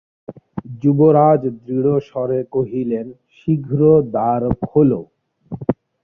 যুবরাজ দৃঢ়স্বরে কহিলেন, শীঘ্র দ্বার খোলো।